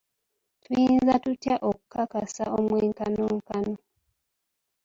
Tuyinza tutya okukakasa omwenkanonkano?